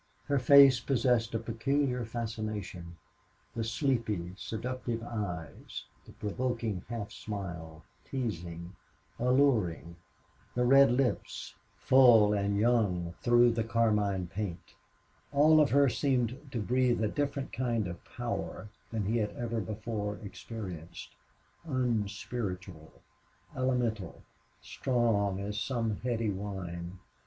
Her face possessed a peculiar fascination. The sleepy, seductive eyes; the provoking half smile, teasing, alluring; the red lips, full and young through the carmine paint; all of her seemed to breathe a different kind of a power than he had ever before experienced unspiritual, elemental, strong as some heady wine.